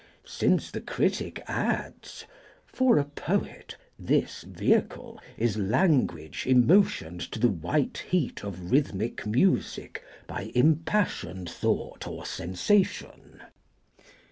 Since the critic adds (for a poet) "this vehicle is language emotioned to the white heat of rhythmic music by impassioned thought or sensation."